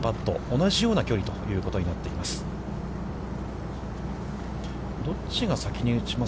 同じような距離ということになっています。